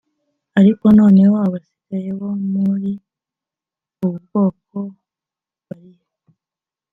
ariko noneho abasigaye bo muri ubu bwoko bairihe`